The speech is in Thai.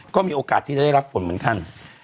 ก็มีโอกาสที่จะได้รับฝนเหมือนกัน